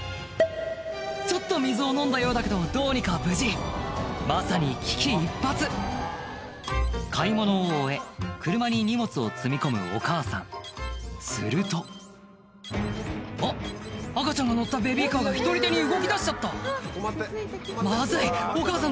ちょっと水を飲んだようだけどどうにか無事まさに危機一髪買い物を終え車に荷物を積み込むお母さんするとあっ赤ちゃんが乗ったベビーカーがひとりでに動きだしちゃったまずいお母さん